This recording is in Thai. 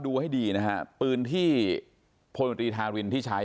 แต่จะมีด้ามที่เป็นด้ามลักษณะ